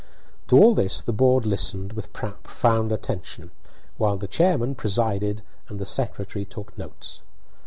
To all this the board listened with profound attention, while the chairman presided and the secretary took notes.